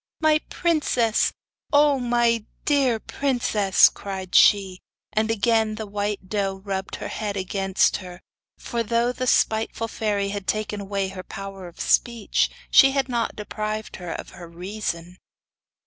'My princess! O my dear princess!' cried she; and again the white doe rubbed her head against her, for thought the spiteful fairy had taken away her power of speech, she had not deprived her of her reason!